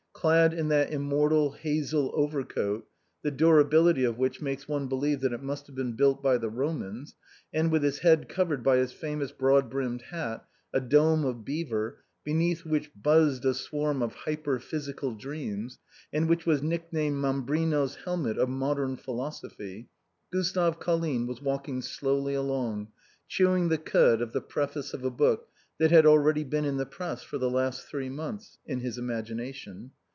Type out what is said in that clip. Clad in that immortal hazel overcoat, the durability of which makes one believe that it must have been built by the Romans, and with his head covered by his famous broad brimmed hat, a dome of beaver, beneath which buzzed a swarm of hyperphysical dreams, and which was nicknamed Mam brino's Helmet of Modern Philosophy, Gustave Colline was walking slowly along, chewing the cud of the preface of a book that had already been in the press for the last three months — in his imagination.